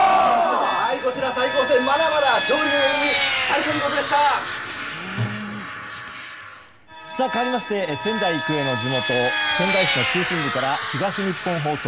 こちらまだまだ勝利の余韻にかわりまして仙台育英の地元仙台市の中心部から東日本放送